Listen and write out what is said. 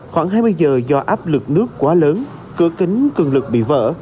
khoảng hai mươi giờ do áp lực nước quá lớn cửa kính cường lực bị vỡ